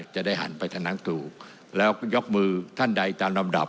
จะได้หันไปถนังสู่แล้วยกมือท่านใดตามลำดับ